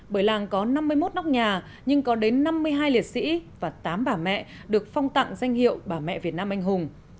bởi làng có năm mươi một nóc nhà nhưng có đến năm mươi hai liệt sĩ và tám bà mẹ được phong tặng danh hiệu bà mẹ việt nam anh hùng